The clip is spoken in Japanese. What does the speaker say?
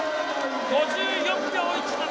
５４秒１７！